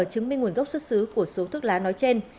chứng minh nguồn gốc xuất xứ của số thuốc lá nói trên